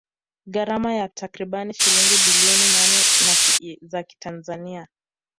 Gharama ya takribani shilingi bilioni nane za kitanzania